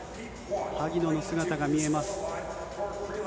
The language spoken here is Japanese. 萩野の姿が見えます。